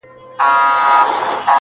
زه جارېږمه له تا او ته له بله،